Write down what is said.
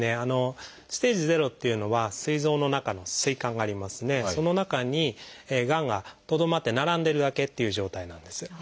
「ステージ０」っていうのはすい臓の中の膵管がありますねその中にがんがとどまって並んでるだけっていう状態なんです。